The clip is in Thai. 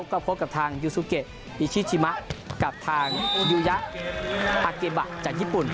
ก็พบกับทางอิชิชิโมะกับทางยูยะจากญี่ปุ่น